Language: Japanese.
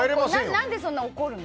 何でそんな怒るの？